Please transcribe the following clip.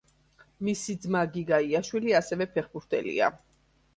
მისი ძმა გიგა იაშვილი ასევე ფეხბურთელია.